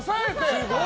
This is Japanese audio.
すごい！